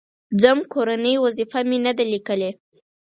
_ځم، کورنۍ وظيفه مې نه ده ليکلې.